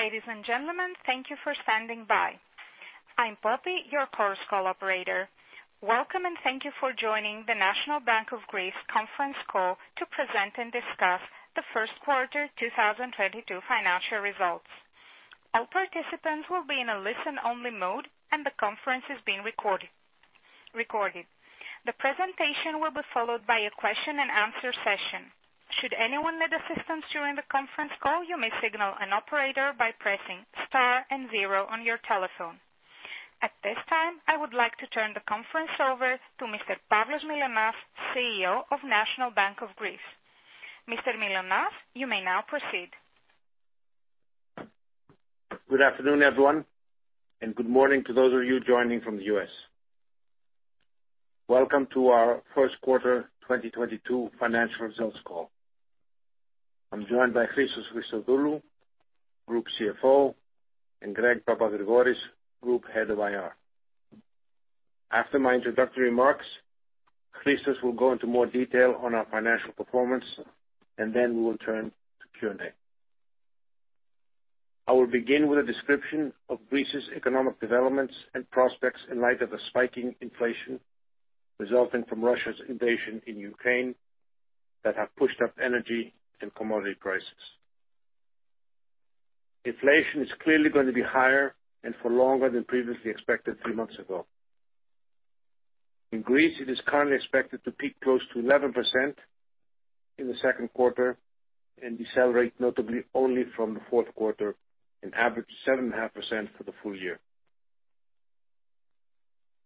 Ladies and gentlemen, thank you for standing by. I'm Poppy, your conference call operator. Welcome, and thank you for joining the National Bank of Greece conference call to present and discuss the first quarter 2022 financial results. All participants will be in a listen-only mode, and the conference is being recorded. The presentation will be followed by a Q&A session. Should anyone need assistance during the conference call, you may signal an operator by pressing star and zero on your telephone. At this time, I would like to turn the conference over to Mr. Pavlos Mylonas, CEO of National Bank of Greece. Mr. Mylonas, you may now proceed. Good afternoon, everyone, and good morning to those of you joining from the U.S. Welcome to our Q1 2022 financial results call. I'm joined by Christos Christodoulou, Group CFO, and Greg Papagrigoris, Group Head of IR. After my introductory remarks, Christos will go into more detail on our financial performance, and then we will turn to Q&A. I will begin with a description of Greece's economic developments and prospects in light of the spiking inflation resulting from Russia's invasion in Ukraine that have pushed up energy and commodity prices. Inflation is clearly going to be higher and for longer than previously expected three months ago. In Greece, it is currently expected to peak close to 11% in the Q2 and decelerate notably only from the Q4 and average 7.5% for the full year.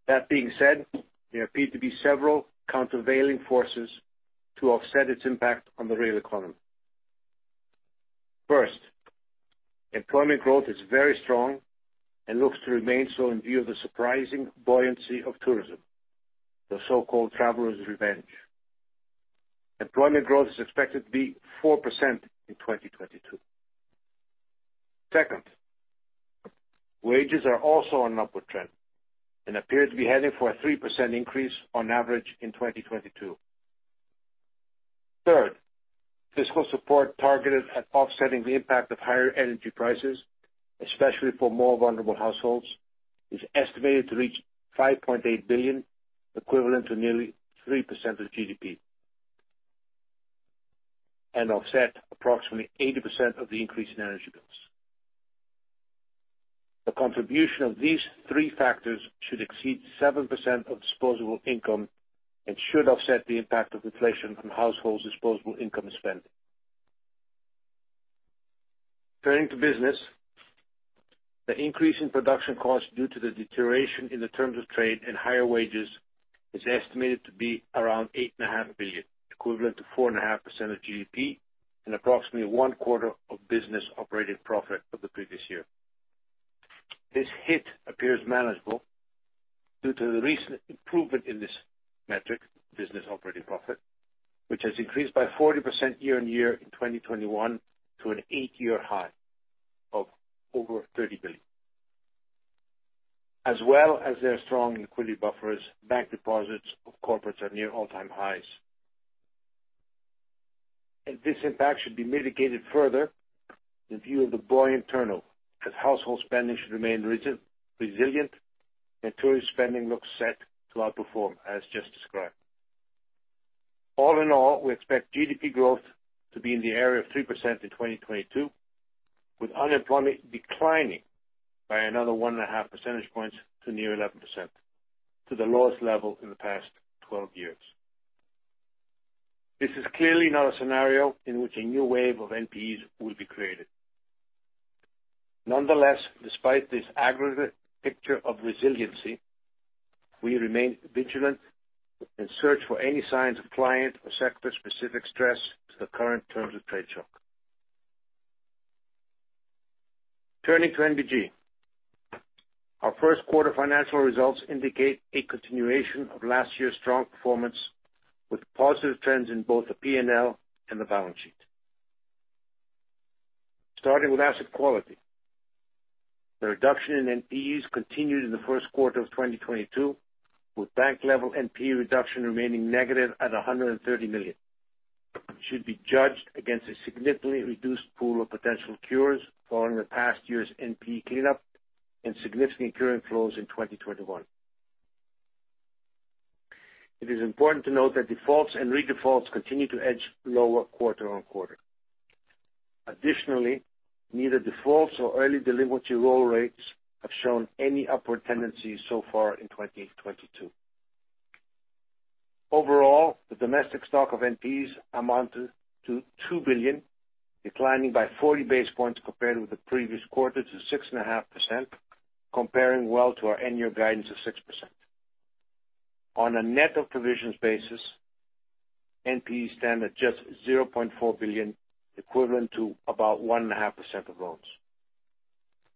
That being said, there appear to be several countervailing forces to offset its impact on the real economy. First, employment growth is very strong and looks to remain so in view of the surprising buoyancy of tourism, the so-called traveler's revenge. Employment growth is expected to be 4% in 2022. Second, wages are also on an upward trend and appear to be heading for a 3% increase on average in 2022. Third, fiscal support targeted at offsetting the impact of higher energy prices, especially for more vulnerable households, is estimated to reach 5.8 billion, equivalent to nearly 3% of GDP, and offset approximately 80% of the increase in energy bills. The contribution of these three factors should exceed 7% of disposable income and should offset the impact of inflation on households' disposable income spent. Turning to business, the increase in production costs due to the deterioration in the terms of trade and higher wages is estimated to be around 8.5 billion, equivalent to 4.5% of GDP and approximately one quarter of business operating profit of the previous year. This hit appears manageable due to the recent improvement in this metric, business operating profit, which has increased by 40% year-on-year in 2021 to an eight-year high of over 30 billion. As well as their strong liquidity buffers, bank deposits of corporates are near all-time highs. This impact should be mitigated further in view of the buoyant turnover as household spending should remain resilient and tourist spending looks set to outperform as just described. All in all, we expect GDP growth to be in the area of 3% in 2022, with unemployment declining by another 1.5 percentage points to near 11%, to the lowest level in the past 12 years. This is clearly not a scenario in which a new wave of NPs will be created. Nonetheless, despite this aggregate picture of resiliency, we remain vigilant and search for any signs of client or sector-specific stress to the current terms of trade shock. Turning to NBG. Our Q1 financial results indicate a continuation of last year's strong performance with positive trends in both the P&L and the balance sheet. Starting with asset quality. The reduction in NPs continued in the Q1 of 2022, with bank-level NP reduction remaining negative at 130 million. Should be judged against a significantly reduced pool of potential cures following the past year's NP cleanup and significant cure flows in 2021. It is important to note that defaults and redefaults continue to edge lower quarter-on-quarter. Additionally, neither defaults or early delinquency roll rates have shown any upward tendency so far in 2022. Overall, the domestic stock of NPs amounted to 2 billion, declining by 40 basis points compared with the previous quarter to 6.5%, comparing well to our annual guidance of 6%. On a net of provisions basis, NPs stand at just 0.4 billion, equivalent to about 1.5% of loans.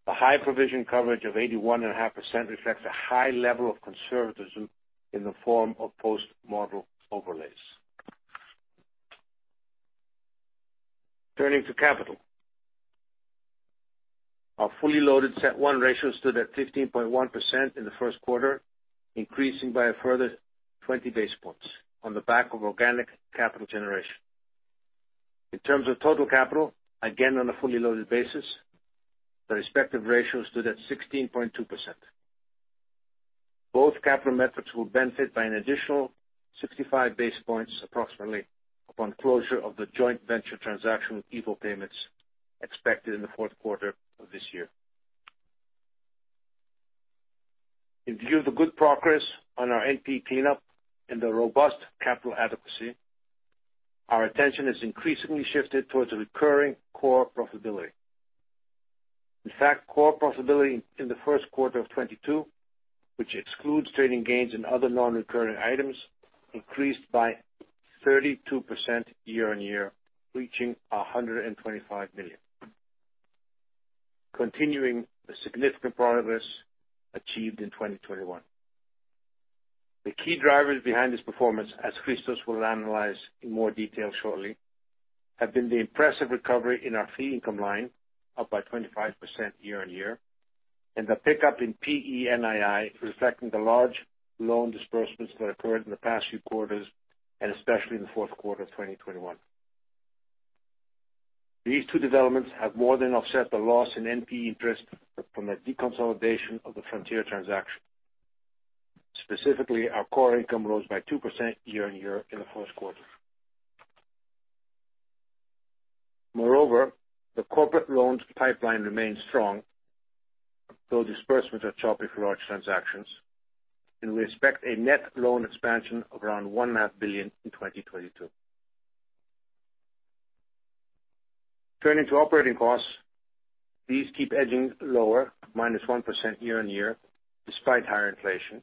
A high provision coverage of 81.5% reflects a high level of conservatism in the form of post-model overlays. Turning to capital. Our fully loaded CET1 ratio stood at 15.1% in the first quarter. Increasing by a further 20 basis points on the back of organic capital generation. In terms of total capital, again, on a fully loaded basis, the respective ratio stood at 16.2%. Both capital methods will benefit by an additional 65 basis points approximately upon closure of the joint venture transaction with EVO Payments expected in the Q4 of this year. In view of the good progress on our NP cleanup and the robust capital adequacy, our attention has increasingly shifted towards the recurring core profitability. In fact, core profitability in the Q1 of 2022, which excludes trading gains and other non-recurring items, increased by 32% year-on-year, reaching 125 million, continuing the significant progress achieved in 2021. The key drivers behind this performance, as Christos will analyze in more detail shortly, have been the impressive recovery in our fee income line, up by 25% year-on-year, and the pickup in PE NII, reflecting the large loan disbursements that occurred in the past few quarters and especially in the Q4 of 2021. These two developments have more than offset the loss in NP interest from the deconsolidation of the Frontier transaction. Specifically, our core income rose by 2% year-on-year in the Q1. Moreover, the corporate loans pipeline remains strong, though disbursements are choppy for large transactions, and we expect a net loan expansion of around 1.5 billion in 2022. Turning to operating costs, these keep edging lower, -1% year-on-year, despite higher inflation.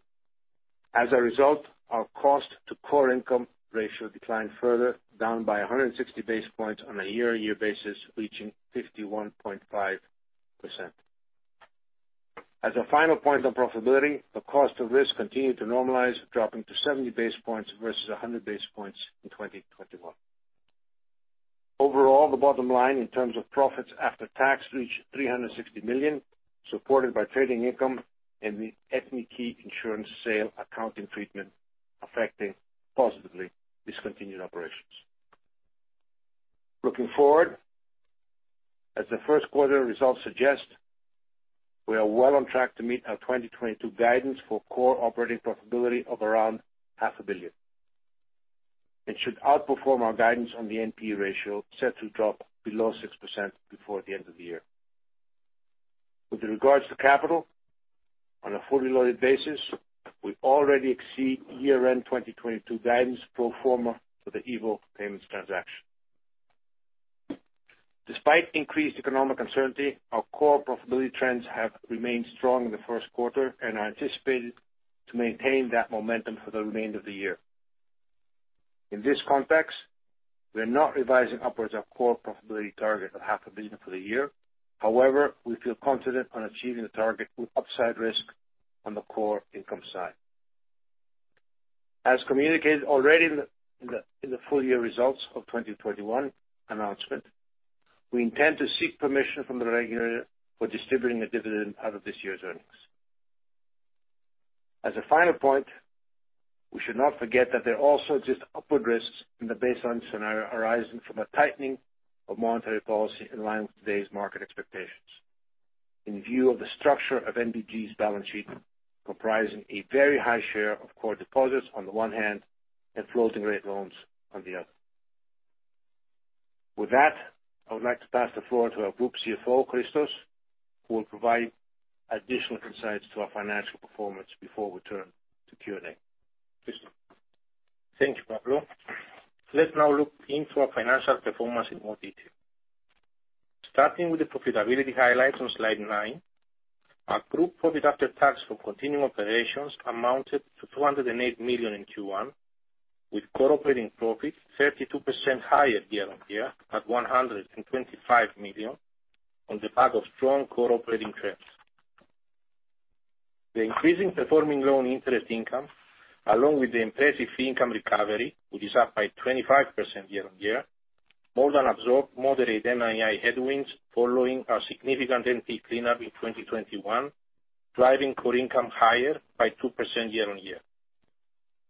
As a result, our cost to core income ratio declined further, down by 160 basis points on a year-on-year basis, reaching 51.5%. As a final point on profitability, the cost of risk continued to normalize, dropping to 70 basis points versus 100 basis points in 2021. Overall, the bottom line in terms of profits after tax reached 360 million, supported by trading income and the Ethniki Insurance sale accounting treatment affecting positively discontinued operations. Looking forward, as the Q1 results suggest, we are well on track to meet our 2022 guidance for core operating profitability of around half a billion. It should outperform our guidance on the NP ratio, set to drop below 6% before the end of the year. With regards to capital, on a fully loaded basis, we already exceed year-end 2022 guidance pro forma for the EVO Payments transaction. Despite increased economic uncertainty, our core profitability trends have remained strong in the Q1 and are anticipated to maintain that momentum for the remainder of the year. In this context, we're not revising upwards our core profitability target of EUR half a billion for the year. However, we feel confident on achieving the target with upside risk on the core income side. As communicated already in the full year results of 2021 announcement, we intend to seek permission from the regulator for distributing a dividend out of this year's earnings. As a final point, we should not forget that there also exist upward risks in the baseline scenario arising from a tightening of monetary policy in line with today's market expectations. In view of the structure of NBG's balance sheet, comprising a very high share of core deposits on the one hand and floating-rate loans on the other. With that, I would like to pass the floor to our Group CFO, Christos, who will provide additional insights to our financial performance before we turn to Q&A. Christos? Thank you, Pavlos. Let's now look into our financial performance in more detail. Starting with the profitability highlights on slide nine, our group profit after tax from continuing operations amounted to 208 million in Q1, with core operating profits 32% higher year-on-year at 125 million on the back of strong core operating trends. The increasing performing loan interest income, along with the impressive fee income recovery, which is up by 25% year-on-year, more than absorbed moderate NII headwinds following our significant NP cleanup in 2021, driving core income higher by 2% year-on-year.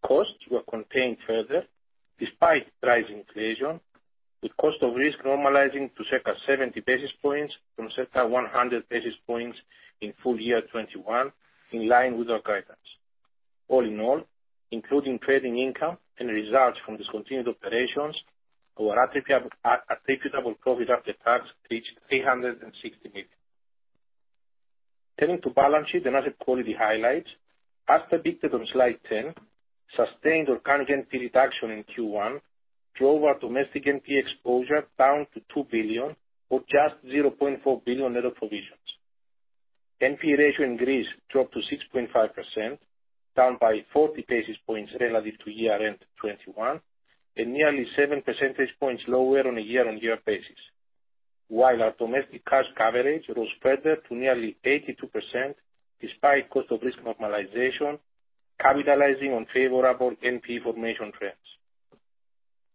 Costs were contained further despite rising inflation, with cost of risk normalizing to circa 70 basis points from circa 100 basis points in full year 2021, in line with our guidance. All in all, including trading income and results from discontinued operations, our attributable profit after tax reached 360 million. Turning to balance sheet and asset quality highlights, as depicted on slide 10, sustained or current NP reduction in Q1 drove our domestic NP exposure down to 2 billion or just 0.4 billion net of provisions. NP ratio in Greece dropped to 6.5%, down by 40 basis points relative to year-end 2021, and nearly seven percentage points lower on a year-on-year basis, while our domestic cash coverage rose further to nearly 82% despite cost of risk normalization, capitalizing on favorable NP formation trends.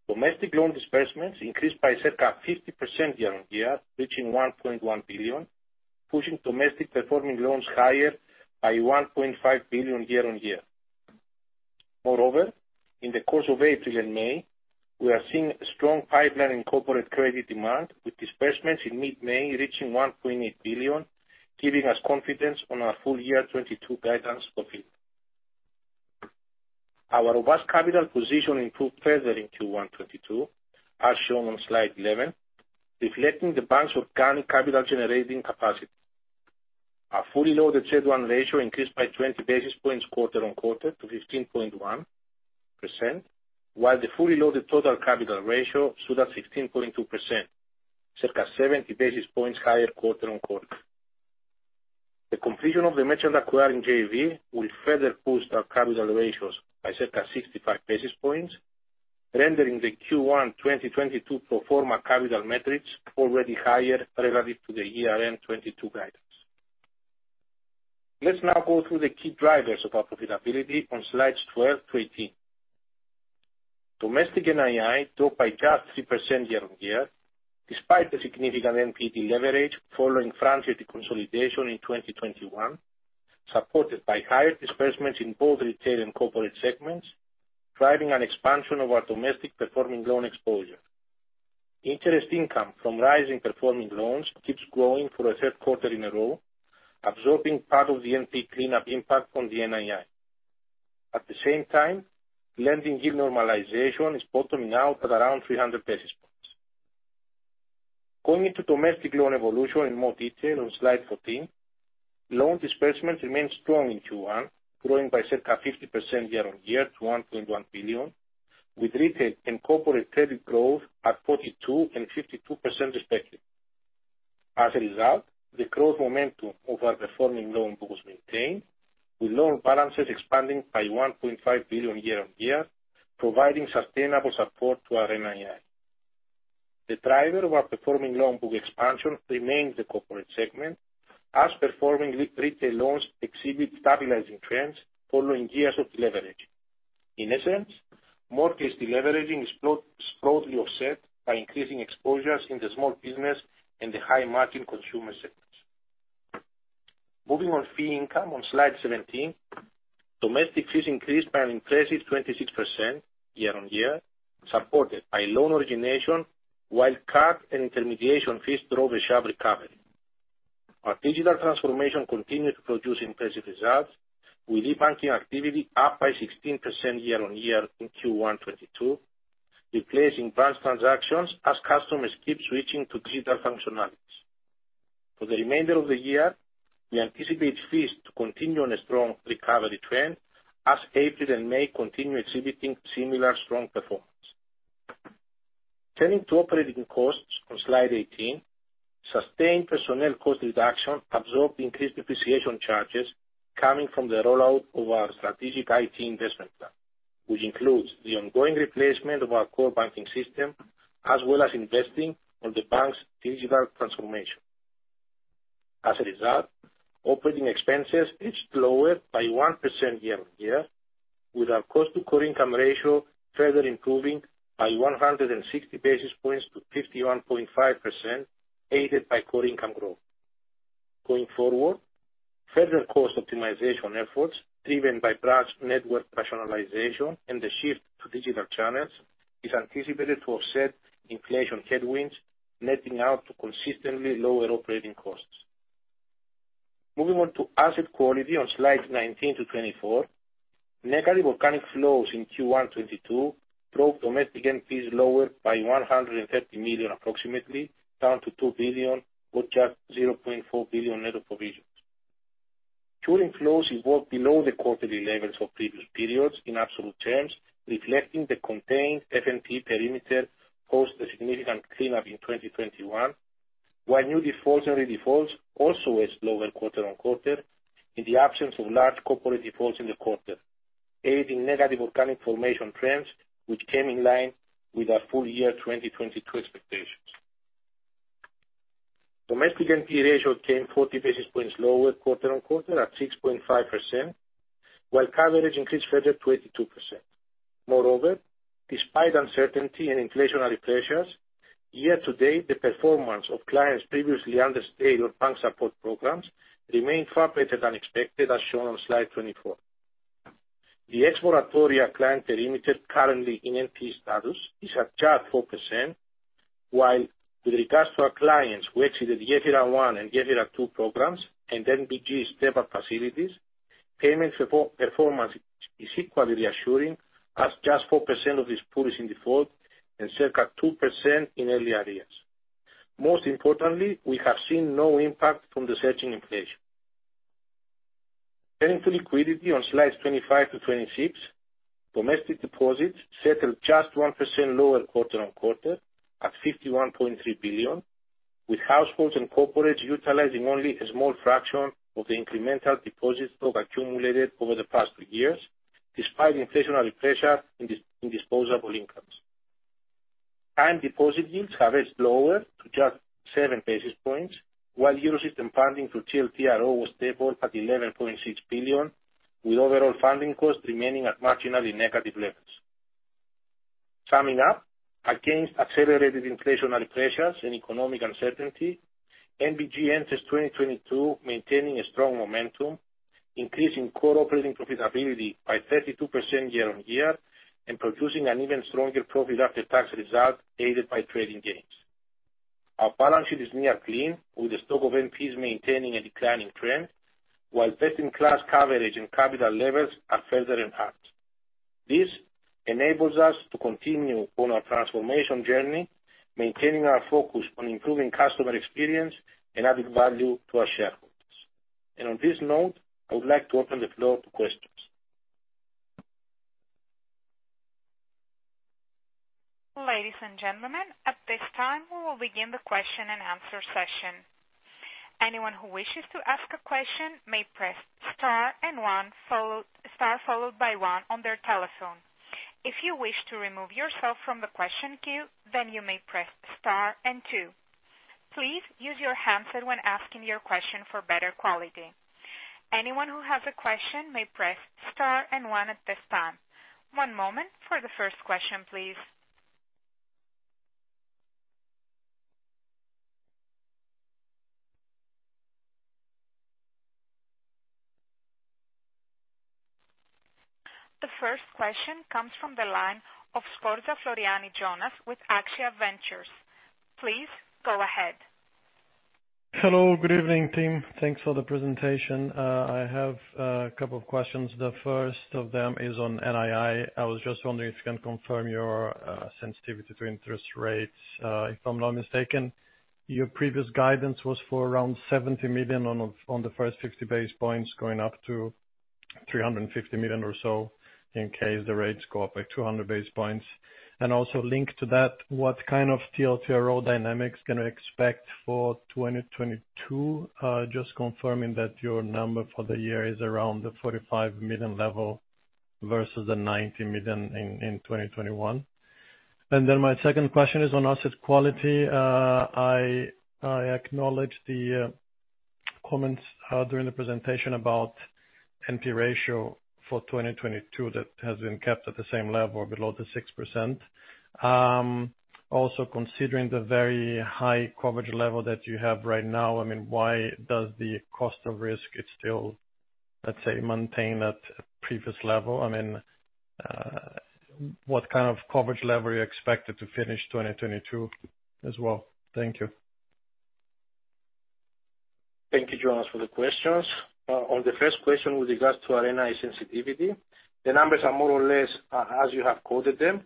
Domestic loan disbursements increased by circa 50% year-on-year, reaching 1.1 billion, pushing domestic performing loans higher by 1.5 billion year-on-year. Moreover, in the course of April and May, we are seeing strong pipeline in corporate credit demand, with disbursements in mid-May reaching 1.8 billion, giving us confidence on our full year 2022 guidance for our robust capital position improved further in Q1 2022, as shown on slide 11, reflecting the bank's organic capital generating capacity. Our fully loaded CET1 ratio increased by 20 basis points quarter-on-quarter to 15.1%, while the fully loaded total capital ratio stood at 16.2%, circa 70 basis points higher quarter-on-quarter. The completion of the merchant acquiring JV will further boost our capital ratios by circa 65 basis points, rendering the Q1 2022 pro forma capital metrics already higher relative to the year-end 2022 guidance. Let's now go through the key drivers of our profitability on slides 12 -18. Domestic NII dropped by just 3% year-on-year, despite the significant NP leverage following Frontier deconsolidation in 2021, supported by higher disbursements in both retail and corporate segments, driving an expansion of our domestic performing loan exposure. Interest income from rising performing loans keeps growing for a Q3 in a row, absorbing part of the NP cleanup impact on the NII. At the same time, lending yield normalization is bottoming out at around 300 basis points. Going into domestic loan evolution in more detail on slide 14, loan disbursements remained strong in Q1, growing by circa 50% year-on-year to 1.1 billion, with retail and corporate credit growth at 42% and 52% respectively. As a result, the growth momentum of our performing loan book was maintained, with loan balances expanding by 1.5 billion year-on-year, providing sustainable support to our NII. The driver of our performing loan book expansion remains the corporate segment, as performing re-retail loans exhibit stabilizing trends following years of deleveraging. In essence, mortgage deleveraging is strongly offset by increasing exposures in the small business and the high margin consumer segments. Moving on fee income on slide 17. Domestic fees increased by an impressive 26% year-on-year, supported by loan origination, while card and intermediation fees drove a sharp recovery. Our digital transformation continued to produce impressive results, with e-banking activity up by 16% year-on-year in Q1 2022, replacing branch transactions as customers keep switching to digital functionalities. For the remainder of the year, we anticipate fees to continue on a strong recovery trend as April and May continue exhibiting similar strong performance. Turning to operating costs on slide 18, sustained personnel cost reduction absorbed increased depreciation charges coming from the rollout of our strategic IT investment plan, which includes the ongoing replacement of our Core Banking System, as well as investing on the bank's Digital Transformation. As a result, operating expenses edged lower by 1% year-on-year, with our cost to core income ratio further improving by 160 basis points to 51.5%, aided by core income growth. Going forward, further cost optimization efforts driven by branch network rationalization and the shift to digital channels is anticipated to offset inflation headwinds, netting out to consistently lower operating costs. Moving on to asset quality on slides 19-24. Negative organic flows in Q1 2022 drove domestic NPs lower by 130 million approximately, down to 2 billion with just 0.4 billion net provisions. Curing flows evolved below the quarterly levels of previous periods in absolute terms, reflecting the contained NP perimeter post the significant cleanup in 2021, while new defaults and redefaults also were slower quarter-on-quarter in the absence of large corporate defaults in the quarter, aiding negative organic formation trends which came in line with our full-year 2022 expectations. Domestic NP ratio came 40 basis points lower quarter-on-quarter at 6.5%, while coverage increased further 22%. Moreover, despite uncertainty and inflationary pressures, year-to-date, the performance of clients previously under state or bank support programs remained far better than expected, as shown on slide 24. The ex-moratoria client perimeter currently in NP status is at just 4%, while with regards to our clients who exited Gefyra 1 and Gefyra 2 programs and NBG step-up facilities, payment performance is equally reassuring as just 4% of these pools in default and circa 2% in early arrears. Most importantly, we have seen no impact from the surging inflation. Turning to liquidity on slides 25-26. Domestic deposits settled just 1% lower quarter-on-quarter at 51.3 billion, with households and corporates utilizing only a small fraction of the incremental deposits stock accumulated over the past two years, despite inflationary pressure in disposable incomes. Time deposit yields have edged lower to just seven basis points, while Euro System funding through TLTRO was stable at 11.6 billion, with overall funding costs remaining at marginally negative levels. Summing up, against accelerated inflationary pressures and economic uncertainty, NBG enters 2022 maintaining a strong momentum, increasing core operating profitability by 32% year-on-year, and producing an even stronger profit after tax result aided by trading gains. Our balance sheet is near clean, with the stock of NPs maintaining a declining trend, while best in class coverage and capital levels are further enhanced. This enables us to continue on our transformation journey, maintaining our focus on improving customer experience and adding value to our shareholders. On this note, I would like to open the floor to questions. Ladies and gentlemen, at this time, we will begin the Q&A session. Anyone who wishes to ask a question may press star followed by one on their telephone. If you wish to remove yourself from the question queue, then you may press star and two. Please use your handset when asking your question for better quality. Anyone who has a question may press star and one at this time. One moment for the first question, please. The first question comes from the line of Scorza Floriani Jonas with AXIA Ventures. Please go ahead. Hello. Good evening, team. Thanks for the presentation. I have a couple of questions. The first of them is on NII. I was just wondering if you can confirm your sensitivity to interest rates. If I'm not mistaken, your previous guidance was for around 70 million on the first 50 basis points, going up to 350 million or so in case the rates go up by 200 basis points. Also linked to that, what kind of TLTRO dynamics can we expect for 2022? Just confirming that your number for the year is around the 45 million level versus the 90 million in 2021? My second question is on asset quality. I acknowledge the comments during the presentation about NP ratio for 2022 that has been kept at the same level, below the 6%. Also considering the very high coverage level that you have right now, I mean, why does the cost of risk, it's still, let's say, maintained at previous level? I mean, what kind of coverage level are you expected to finish 2022 as well? Thank you. Thank you, Jonas, for the questions. On the first question with regards to our NII sensitivity, the numbers are more or less as you have quoted them.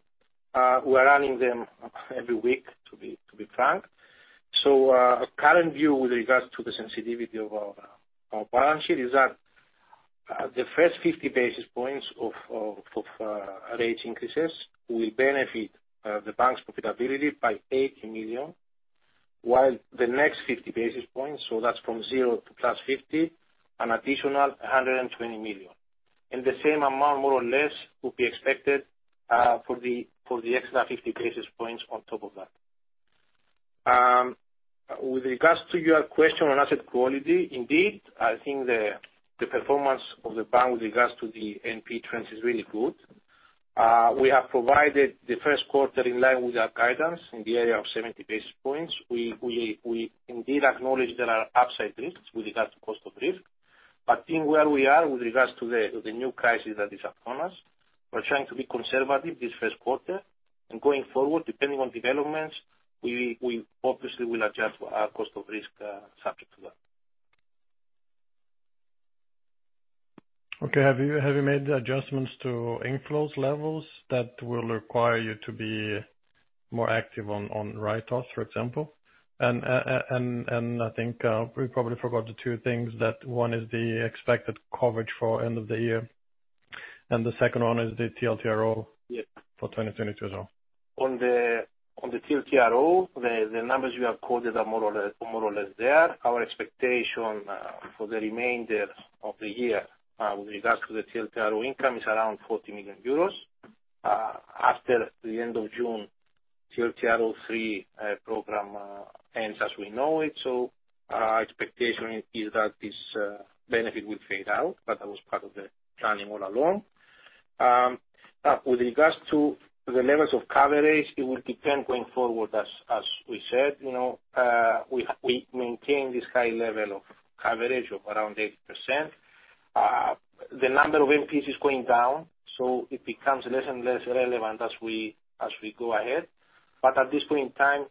We're running them every week, to be frank. Our current view with regards to the sensitivity of our balance sheet is that the first 50 basis points of rate increases will benefit the bank's profitability by 80 million, while the next 50 basis points, so that's from 0 to +50, an additional 120 million. The same amount, more or less, will be expected for the extra 50 basis points on top of that. With regards to your question on asset quality, indeed, I think the performance of the bank with regards to the NP trends is really good. We have provided the Q1 in line with our guidance in the area of 70 basis points. We indeed acknowledge there are upside risks with regards to cost of risk, but seeing where we are with regards to the new crisis that is upon us, we're trying to be conservative this Q1. Going forward, depending on developments, we obviously will adjust our cost of risk, subject to that. Okay. Have you made the adjustments to inflows levels that will require you to be more active on write-offs, for example? I think we probably forgot the two things, that one is the expected coverage for end of the year, and the second one is the TLTRO? Yes. For 2022 as well. On the TLTRO, the numbers you have quoted are more or less there. Our expectation for the remainder of the year with regards to the TLTRO income is around EUR 40 million. After the end of June, TLTRO III program ends as we know it, so our expectation is that this benefit will fade out, but that was part of the planning all along. With regards to the levels of coverage, it will depend going forward as we said. You know, we maintain this high level of coverage of around 8%. The number of NPs is going down, so it becomes less and less relevant as we go ahead. At this point in time,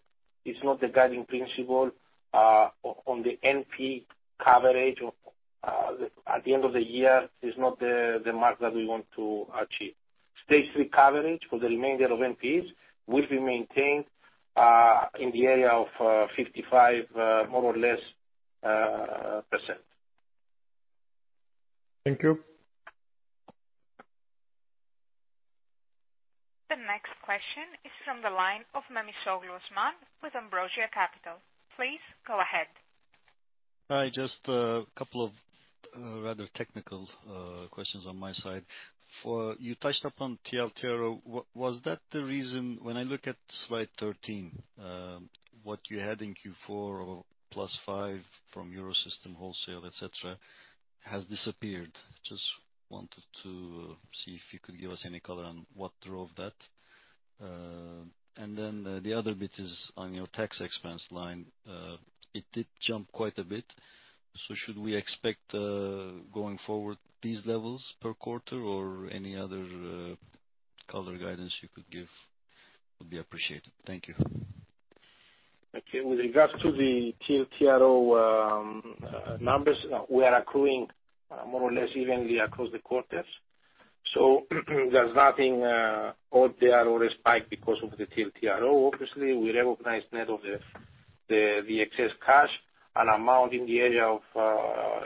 it's not the guiding principle on the NP coverage. At the end of the year is not the mark that we want to achieve. Stage 3 coverage for the remainder of NPs will be maintained in the area of 55%, more or less. Thank you. The next question is from the line of Osman Memisoglu with Ambrosia Capital. Please go ahead. Hi, just a couple of rather technical questions on my side. You touched upon TLTRO. Was that the reason when I look at slide 13, what you had in Q4 or +5 from Euro System wholesale, et cetera, has disappeared. Just wanted to see if you could give us any color on what drove that. And then, the other bit is on your tax expense line. It did jump quite a bit. So should we expect, going forward these levels per quarter or any other, color guidance you could give would be appreciated. Thank you. Okay. With regards to the TLTRO numbers, we are accruing more or less evenly across the quarters, so there's nothing out there or a spike because of the TLTRO. Obviously, we recognize net of the excess cash, an amount in the area of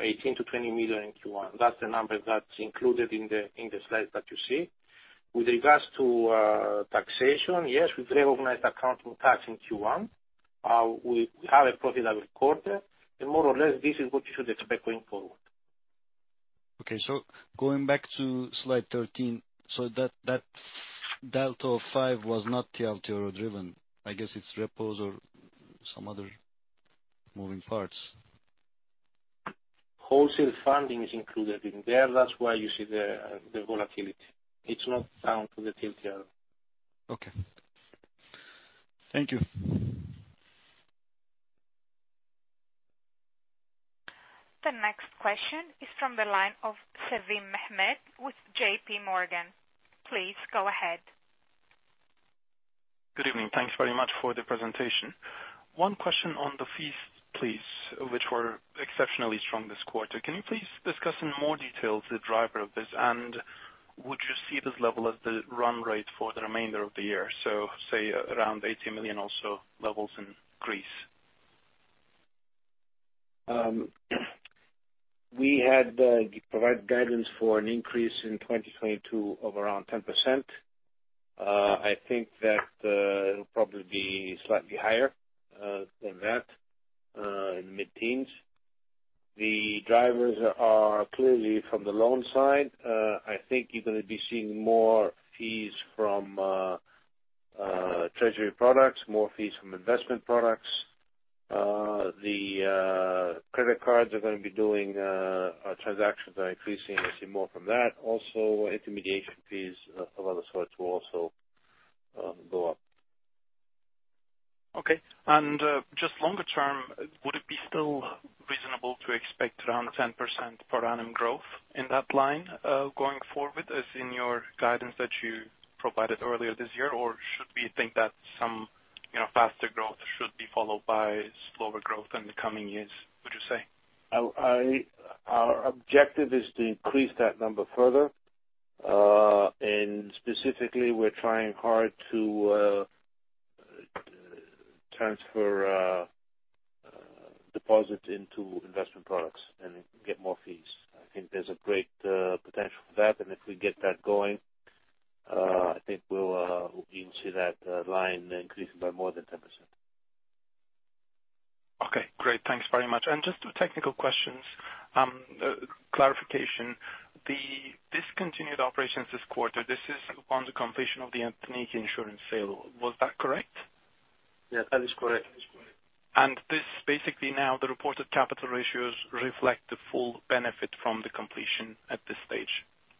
18 million-20 million in Q1. That's the number that's included in the slides that you see. With regards to taxation, yes, we've recognized accounting tax in Q1. We have a profitable quarter and more or less this is what you should expect going forward. Okay. Going back to slide 13, that delta of five was not TLTRO driven. I guess it's repos or some other moving parts? Wholesale funding is included in there. That's why you see the volatility. It's not down to the TLTRO. Okay. Thank you. The next question is from the line of Sevim Mehmet with JPMorgan. Please go ahead. Good evening. Thanks very much for the presentation. One question on the fees, please, which were exceptionally strong this quarter. Can you please discuss in more details the driver of this? Would you see this level as the run rate for the remainder of the year, so say around 80 million or so levels increase? We provided guidance for an increase in 2022 of around 10%. I think that it'll probably be slightly higher than that in mid-teens. The drivers are clearly from the loan side. I think you're gonna be seeing more fees from treasury products, more fees from investment products. [The credit card], our transactions are increasing. We'll see more from that. Also, intermediation fees of other sorts will also go up. Okay. Just longer term, would it be still reasonable to expect around 10% per annum growth in that line, going forward as in your guidance that you provided earlier this year? Or should we think that some, you know, faster growth should be followed by slower growth in the coming years, would you say? Our objective is to increase that number further. Specifically, we're trying hard to transfer deposits into investment products and get more fees. I think there's a great potential for that. If we get that going, I think we'll hopefully see that line increasing by more than 10%. Okay, great. Thanks very much. Just two technical questions, clarification. The discontinued operations this quarter, this is upon the completion of the Ethniki Insurance sale. Was that correct? Yes, that is correct. This basically now the reported capital ratios reflect the full benefit from the completion at this stage.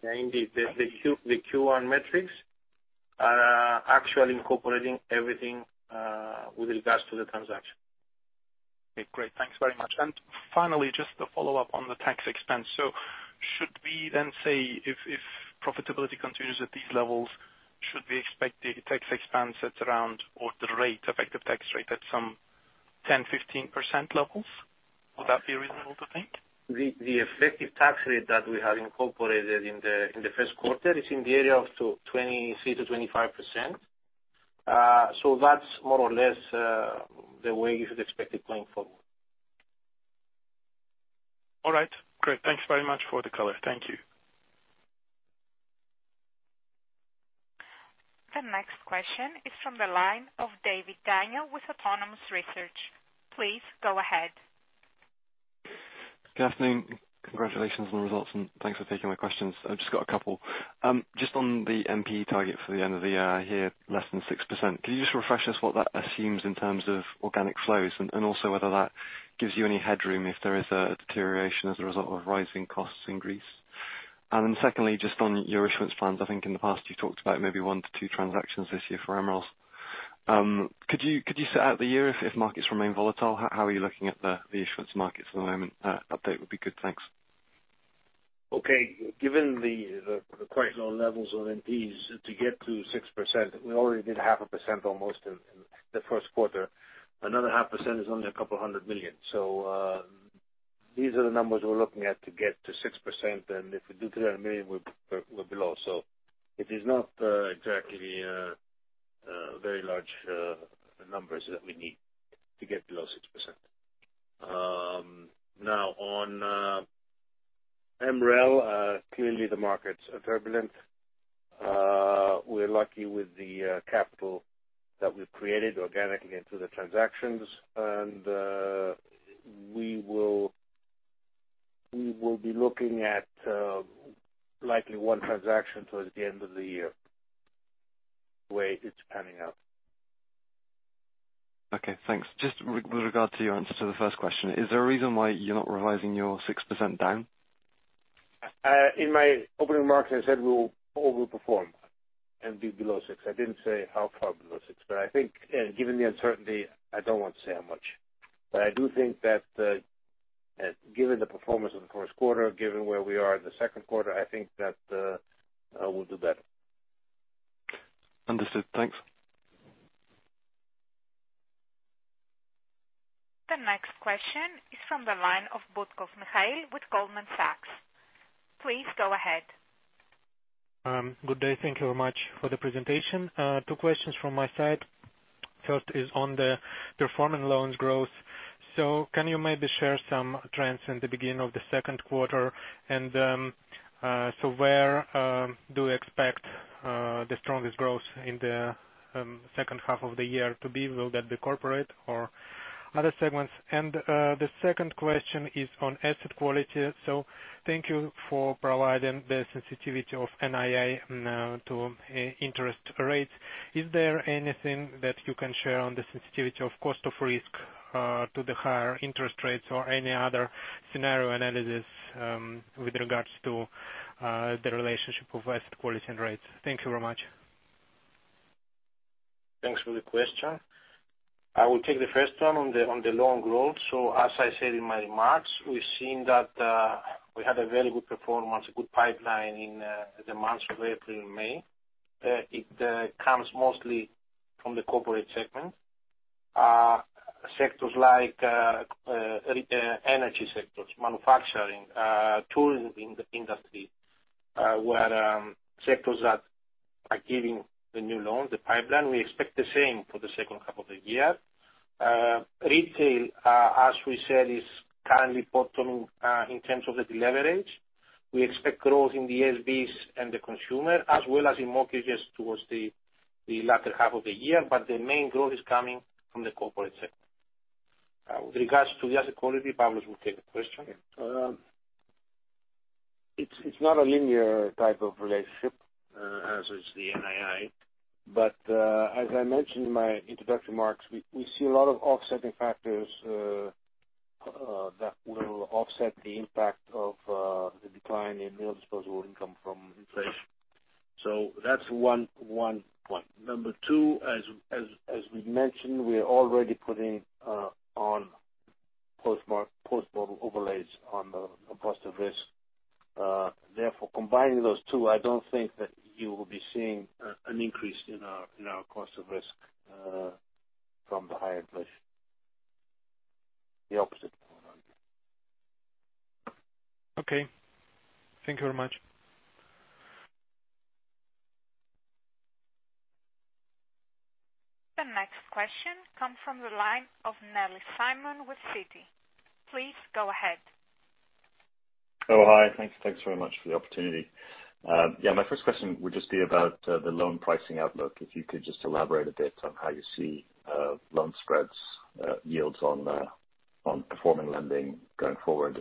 Yeah, indeed. The Q1 metrics are actually incorporating everything with regards to the transaction. Okay, great. Thanks very much. Finally, just to follow up on the tax expense. Should we then say if profitability continues at these levels, should we expect the tax expense at around or the rate, effective tax rate at some 10%-15% levels? Would that be reasonable to think? The effective tax rate that we have incorporated in the Q1 is in the area of 23%-25%. That's more or less the way you should expect it going forward. All right, great. Thank you very much for the color. Thank you. The next question is from the line of David Daniel with Autonomous Research. Please go ahead. Good evening. Congratulations on the results, and thanks for taking my questions. I've just got a couple. Just on the NP target for the end of the year, I hear less than 6%. Can you just refresh us what that assumes in terms of organic flows? Also whether that gives you any headroom if there is a deterioration as a result of rising costs in Greece? Secondly, just on your issuance plans, I think in the past you talked about maybe 1-2 transactions this year for MREL. Could you set out the year if markets remain volatile, how are you looking at the issuance markets at the moment? Update would be good. Thanks. Okay. Given the quite low levels of NPs to get to 6%, we already did half a percent almost in the Q1. Another half percent is only 200 million. These are the numbers we're looking at to get to 6%, and if we do 300 million, we're below. It is not exactly very large numbers that we need to get below 6%. Now on MREL, clearly the market's turbulent. We're lucky with the capital that we've created organically and through the transactions. We will be looking at likely one transaction towards the end of the year the way it's panning out. Okay, thanks. Just with regard to your answer to the first question, is there a reason why you're not revising your 6% down? In my opening remarks, I said we will overperform and be below 6%. I didn't say how far below 6%. I think, given the uncertainty, I don't want to say how much. I do think that, given the performance of the Q1, given where we are in the Q2, I think that, we'll do better. Understood. Thanks. The next question is from the line of Butkov Mikhail with Goldman Sachs. Please go ahead. Good day. Thank you very much for the presentation. Two questions from my side. First is on the performing loans growth. Can you maybe share some trends in the beginning of the Q2? Where do you expect the strongest growth in the H2 of the year to be? Will that be corporate or other segments? The second question is on asset quality. Thank you for providing the sensitivity of NII to interest rates. Is there anything that you can share on the sensitivity of cost of risk to the higher interest rates or any other scenario analysis with regards to the relationship of asset quality and rates? Thank you very much. Thanks for the question. I will take the first one on the loan growth. As I said in my remarks, we've seen that we had a very good performance, a good pipeline in the months of April and May. It comes mostly from the corporate segment. Sectors like energy, manufacturing, tourism in the industry were sectors that are giving the new loans, the pipeline. We expect the same for the H2 of the year. Retail, as we said, is currently bottom in terms of the deleverage. We expect growth in the SMBs and the consumer, as well as in mortgages towards the latter half of the year, but the main growth is coming from the corporate sector. With regards to the asset quality, Pavlos will take the question. It's not a linear type of relationship, as is the NII. As I mentioned in my introductory remarks, we see a lot of offsetting factors that will offset the impact of the decline in real disposable income from inflation. That's one point. Number two, as we mentioned, we are already putting on post-model overlays on the cost of risk. Therefore, combining those two, I don't think that you will be seeing an increase in our cost of risk from the higher inflation. The opposite going on. Okay. Thank you very much. The next question comes from the line of Nellis Simon with Citi. Please go ahead. Oh, hi. Thank you. Thanks very much for the opportunity. Yeah, my first question would just be about the loan pricing outlook. If you could just elaborate a bit on how you see loan spreads, yields on performing lending going forward.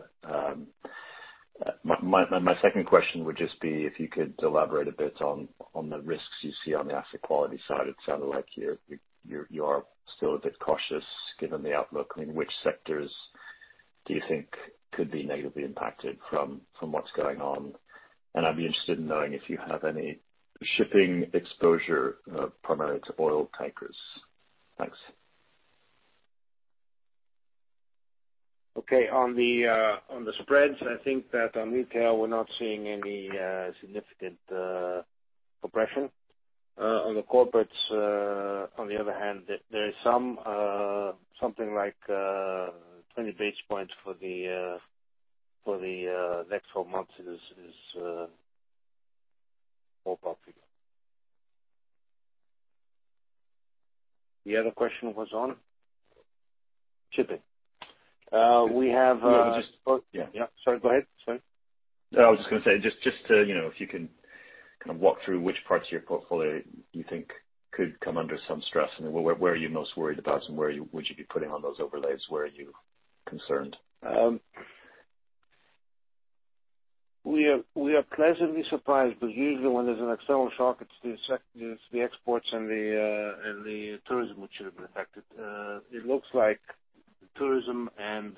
My second question would just be if you could elaborate a bit on the risks you see on the asset quality side. It sounded like you are still a bit cautious given the outlook. I mean, which sectors do you think could be negatively impacted from what's going on? I'd be interested in knowing if you have any shipping exposure, primarily to oil tankers. Thanks. Okay. On the spreads, I think that on retail, we're not seeing any significant compression. On the corporates, on the other hand, there is some something like 20 basis points for the next 12 months is more popular. The other question was on shipping. We have. Yeah. Sorry, go ahead. Sorry. No, I was just gonna say just to, you know, if you can kind of walk through which parts of your portfolio you think could come under some stress, and where are you most worried about and where would you be putting on those overlays? Where are you concerned? We are pleasantly surprised, but usually when there's an external shock, it's the exports and the tourism which should have been affected. It looks like tourism and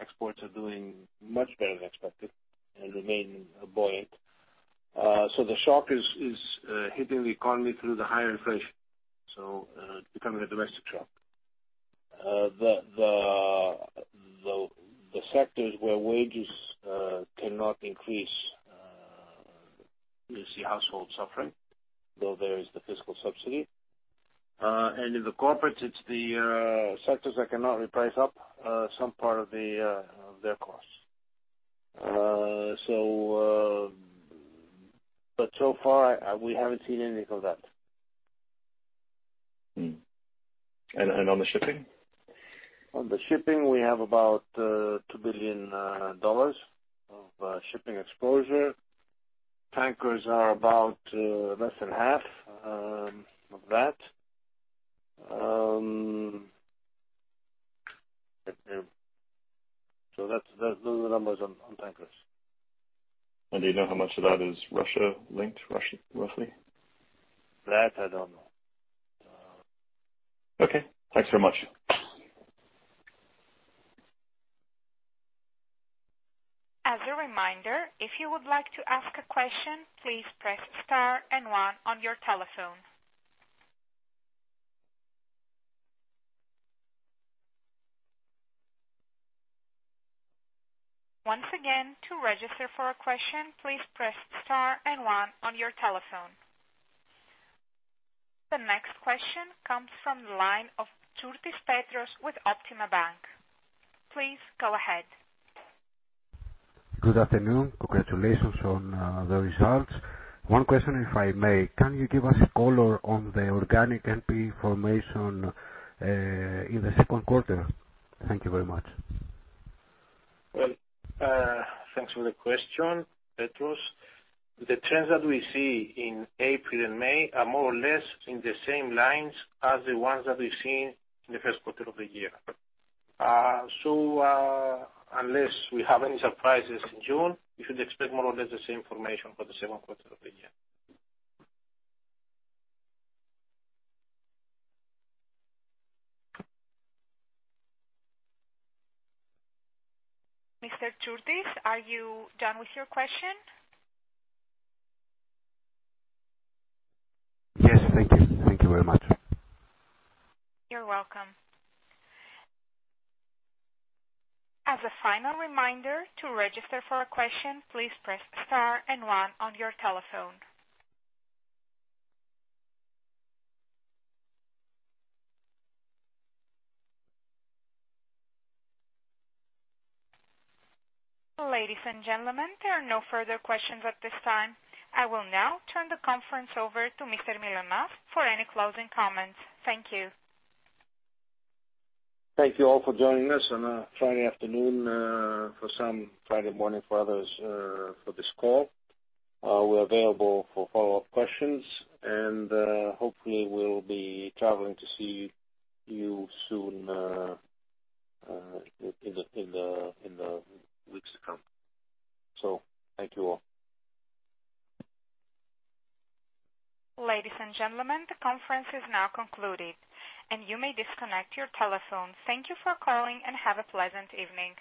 exports are doing much better than expected and remain buoyant. So the shock is hitting the economy through the higher inflation, so becoming a domestic shock. The sectors where wages cannot increase, you see households suffering, though there is the fiscal subsidy. In the corporates, it's the sectors that cannot reprice up some part of their costs. So far, we haven't seen any of that. On the shipping? On the shipping, we have about $2 billion of shipping exposure. Tankers are about less than half of that. That's the numbers on tankers. Do you know how much of that is Russia linked? Russia, roughly? That I don't know. Okay. Thanks very much. As a reminder, if you would like to ask a question, please press star and one on your telephone. Once again, to register for a question, please press star and one on your telephone. The next question comes from the line of Tsourtis Petros with Optima bank. Please go ahead. Good afternoon. Congratulations on the results. One question if I may. Can you give us color on the organic NP formation in the Q2? Thank you very much. Well, thanks for the question, Petros. The trends that we see in April and May are more or less in the same lines as the ones that we've seen in the Q1 of the year. Unless we have any surprises in June, you should expect more or less the same information for the Q2 of the year. Mr. Tsourtis, are you done with your question? Yes. Thank you. Thank you very much. You're welcome. As a final reminder, to register for a question, please press star and one on your telephone. Ladies and gentlemen, there are no further questions at this time. I will now turn the conference over to Mr. Mylonas for any closing comments. Thank you. Thank you all for joining us on a Friday afternoon, for some Friday morning for others, for this call. We're available for follow-up questions and, hopefully we'll be traveling to see you soon, in the weeks to come. Thank you all. Ladies and gentlemen, the conference is now concluded, and you may disconnect your telephone. Thank you for calling, and have a pleasant evening.